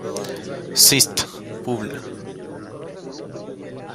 Syst., Publ.